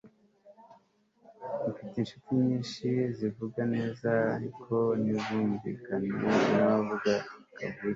Mfite inshuti nyinshi zivuga neza ariko ntizumvikana nkabavuga kavukire